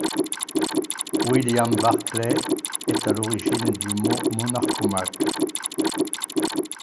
William Barclay est à l'origine du mot monarchomaque.